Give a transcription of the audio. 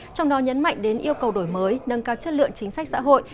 trong đó nhấn mạnh đến yêu cầu đổi mới nâng cao chất lượng chính sách xã hội